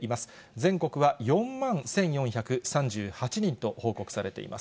全国は４万１４３８人と報告されています。